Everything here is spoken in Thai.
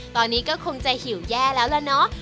ตอนนี้ก็คงจะหิวแย่แล้วล่ะเนาะ